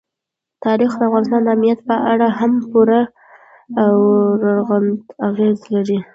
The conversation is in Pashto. تاریخ د افغانستان د امنیت په اړه هم پوره او رغنده اغېز لري.